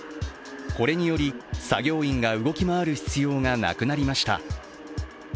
これにより、作業員が動き回る必要がなくなりました、